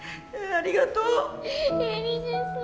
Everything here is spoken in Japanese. ありがとう。